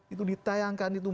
itu ditayangkan itu